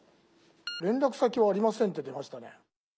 「連絡先はありません」って出ましたね。